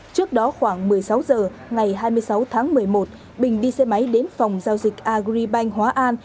trước đó khoảng một mươi sáu h ngày hai mươi sáu tháng một mươi một bình đi xe máy đến phòng giao dịch agribank hóa an